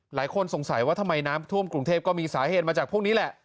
หลายคนสงสัยว่าทำไมน้ำท่วมกรุงเทพก็มีสาเหตุมาจากพวกนี้แหละ